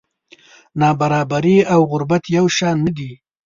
نابرابري او غربت یو شان نه دي.